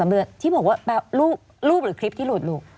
ที่บอกว่ารูปหรือคลิปที่หลุดลูก